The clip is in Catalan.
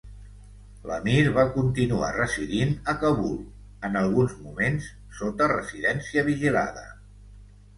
L'emir va continuar residint a Kabul, en alguns moments sota residència vigilada.